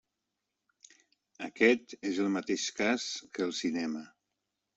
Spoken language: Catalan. Aquest és el mateix cas que el cinema.